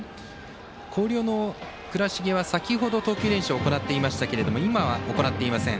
広陵の倉重は、先ほど投球練習を行っていましたが今は行っていません。